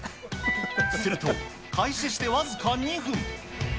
すると開始して僅か２分。